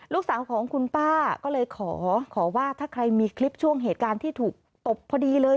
ลูกสาวของคุณป้าก็เลยขอขอว่าถ้าใครมีคลิปช่วงเหตุการณ์ที่ถูกตบพอดีเลย